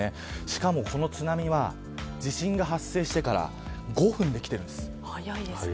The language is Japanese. しかもこの津波は地震が発生してから５分で来ているんです。